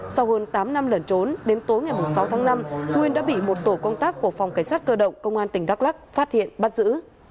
sau hơn tám năm lẩn trốn đến tối ngày sáu tháng năm nguyên đã bị một tổ công tác của phòng cảnh sát cơ động công an tỉnh đắk lắc phát hiện bắt giữ